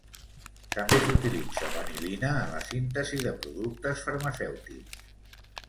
També s'utilitza vanil·lina en la síntesi de productes farmacèutics.